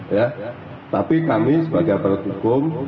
ya tapi kami sebagai aparat hukum